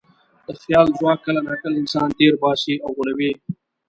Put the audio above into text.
د خیال ځواک کله ناکله انسان تېر باسي او غولوي.